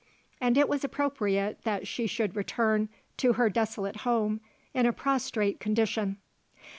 And it was appropriate that she should return to her desolate home in a prostrate condition.